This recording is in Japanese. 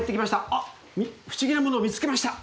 あっ不思議なものを見つけました。